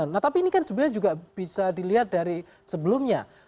nah tapi ini kan sebenarnya juga bisa dilihat dari sebelumnya